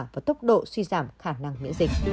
và tốc độ suy giảm khả năng miễn dịch